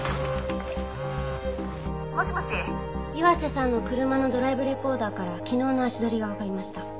「もしもし」岩瀬さんの車のドライブレコーダーから昨日の足取りがわかりました。